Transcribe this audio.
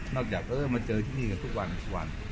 จากเออมาเจอที่นี่ทุกวันทุกวัน